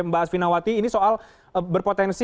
mbak asvinawati ini soal berpotensi